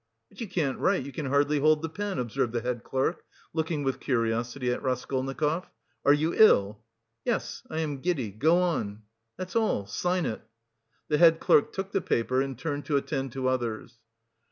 "But you can't write, you can hardly hold the pen," observed the head clerk, looking with curiosity at Raskolnikov. "Are you ill?" "Yes, I am giddy. Go on!" "That's all. Sign it." The head clerk took the paper, and turned to attend to others.